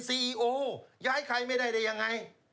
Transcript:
ไม่น่าไหมคะไม่เคยเห็นนะ